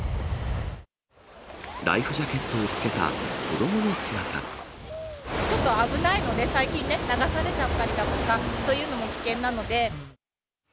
ライフジャケットをつけた子ちょっと危ないので、最近ね、流されちゃったりとか、そういうのも危険なので。